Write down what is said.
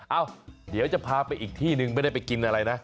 เอ้าเดี๋ยวจะพาไปอีกที่นึงไม่ได้ไปกินอะไรนะ